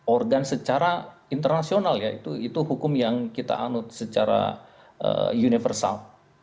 organ secara internasional ya itu hukum yang kita anut secara universal